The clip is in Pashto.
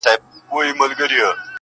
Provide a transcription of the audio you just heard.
له کلونو دغه آش دغه کاسه وه!!